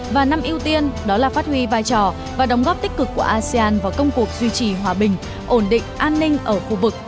và năm ưu tiên đó là phát huy vai trò và đóng góp tích cực của asean vào công cuộc duy trì hòa bình ổn định an ninh ở khu vực